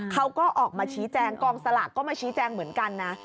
เขาก็ออกมาชี้แจงกองสลากก็มาชี้แจงเหมือนกันนะ